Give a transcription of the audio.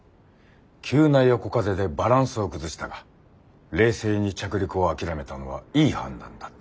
急な横風でバランスを崩したが冷静に着陸を諦めたのはいい判断だった。